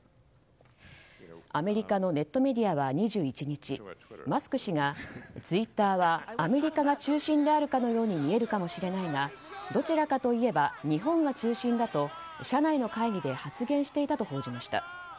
アメリカのネットメディアは２１日マスク氏がツイッターはアメリカが中心であるかのように見えるかもしれないがどちらかといえば日本が中心だと社内の会議で発言していたと報じました。